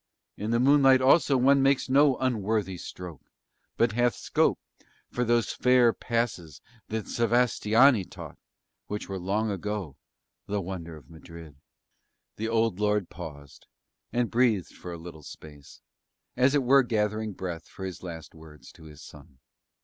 In the moonlight also one makes no unworthy stroke, but hath scope for those fair passes that Sevastiani taught, which were long ago the wonder of Madrid." The old lord paused, and breathed for a little space, as it were gathering breath for his last words to his son.